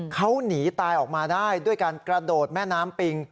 เขาหนีตายออกมาได้ด้วยการกระโดดแม่น้ำปิง